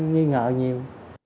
nghi ngờ nhiều